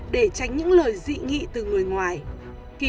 để tránh những lời dị nghị từ người ngoài